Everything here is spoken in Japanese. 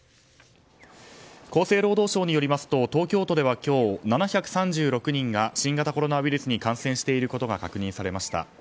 厚生労働省によりますと東京都では今日７３６人が新型コロナウイルスに感染していることが確認されました。